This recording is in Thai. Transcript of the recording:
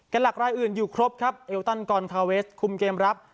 หลักรายอื่นอยู่ครบครับเอลตันกอนทาเวสคุมเกมรับ